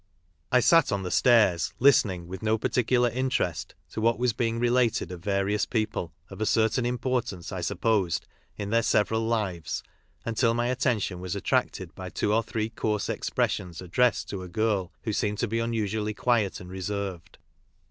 I sat on the stairs listening with no particular in terest to what was being related of various people, of a certain importance, I supposed, in their several lives, until my attention was attracted by two or three coarse expressions addressed to a girl who eeemed to be unusually quiet and reserved.